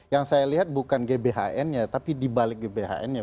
yang saya lihat bukan gbhn nya tapi dibalik gbhn nya